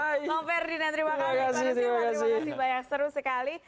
mohon ferdinand terima kasih terima kasih banyak seru sekali